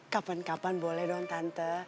kapan kapan boleh dong tante